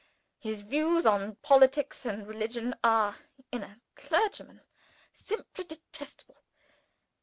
His views on politics and religion are (in a clergyman) simply detestable.